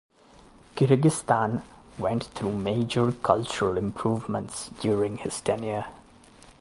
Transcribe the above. Kyrgyzstan went through major cultural improvements during his tenure.